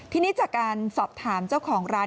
ทีนี้จากการสอบถามเจ้าของร้าน